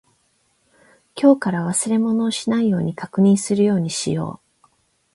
今日から忘れ物をしないように確認するようにしよう。